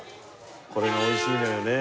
これが美味しいのよねえ。